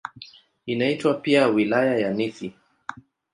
Inaitwa pia "Wilaya ya Nithi".